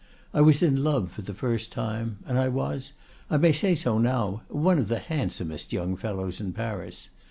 I was in love for the first time, and I was—I may say so now—one of the handsomest young fellows in Paris.